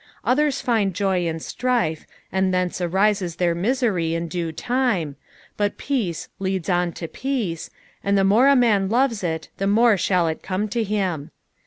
Others find joy in strife, and thence aTises their misery in due time, but peace leads on tu peace, and the more a man loves it the more shall it come to him.